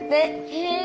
へえ。